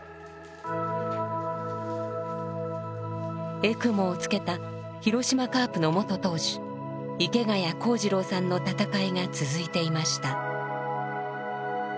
エクモをつけた広島カープの元投手池谷公二郎さんの闘いが続いていました。